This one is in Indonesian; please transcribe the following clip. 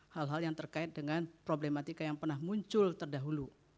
hal hal yang terkait dengan problematika yang pernah muncul terdahulu